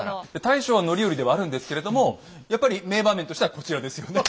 大将は範頼ではあるんですけれどもやっぱり名場面としてはこちらですよね。